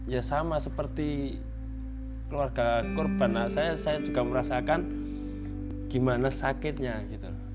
ya sama seperti keluarga korban saya juga merasakan gimana sakitnya gitu loh